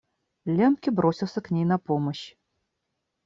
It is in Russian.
Лембке бросился к ней на помощь.